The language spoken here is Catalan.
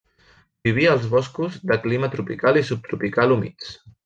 Vivia als boscos de clima tropical i subtropical humits.